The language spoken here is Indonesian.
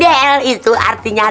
dl itu artinya